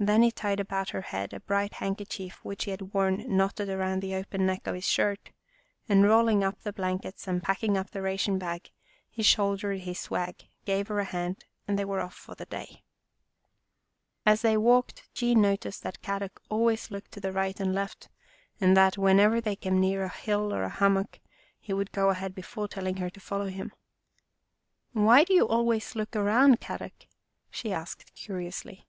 Then he tied about her head a bright handkerchief which he had worn knotted around the open neck of his shirt, and rolling up the blankets and packing up the ration bag, he shouldered his swag, gave her a hand, and they were off for the day. 92 Our Little Australian Cousin As they walked Jean noticed that Kadok looked always to the right and left and that whenever they came near a hill or a hummock, he would go ahead before telling her to follow him. 11 Why do you always look around, Kadok," she asked curiously.